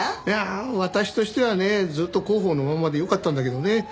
いや私としてはねずっと広報のまんまでよかったんだけどね。